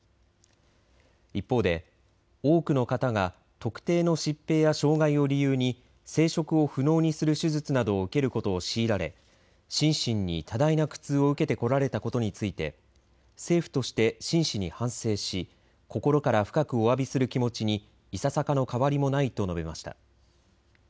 一方で多くの方が特定の疾病や障害を理由に生殖を不能にする手術などを受けることを強いられ、心身に多大な苦痛を受けてこられたことについて政府として真摯に反省し心から深くおわびする気持ちにいささかの変わりもないと述べました。